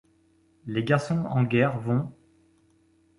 Les garçons en guerre vont ;